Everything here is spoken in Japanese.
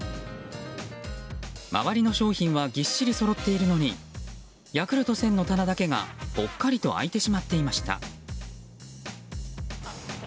周りの商品はぎっしりそろっているのにヤクルト１０００の棚だけがぽっかりと空いてしまっていました。